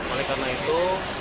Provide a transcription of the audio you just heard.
oleh karena itu